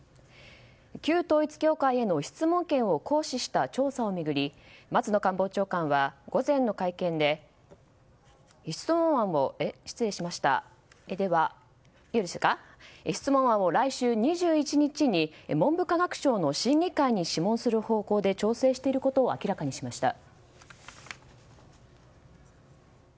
旧統一教会への質問権を行使した調査を巡り、松野官房長官は午前の会見で質問案を来週２１日に文部科学省の審議会に諮問する方向で調整していることを明らかにしました。